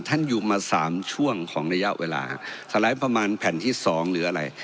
ท่านอยู่มาสามช่วงของระยะเวลาสไลด์ประมาณแผ่นที่สองหรืออะไร